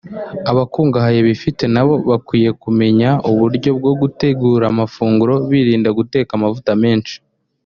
Abakungahaye bifite nabo bakwiye kumenya uburyo bwo gutegura amafunguro birinda guteka amavuta menshi